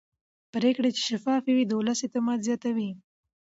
پرېکړې چې شفافې وي د ولس اعتماد زیاتوي